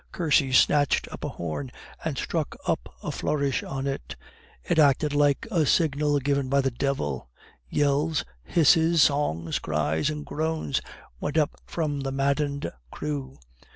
Cursy snatched up a horn and struck up a flourish on it. It acted like a signal given by the devil. Yells, hisses, songs, cries, and groans went up from the maddened crew.